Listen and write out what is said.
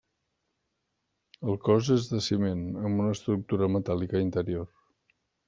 El cos és de ciment amb una estructura metàl·lica interior.